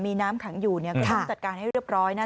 มีน้ำขังอยู่เนี่ยก็ต้องจัดการให้เรียบร้อยนะ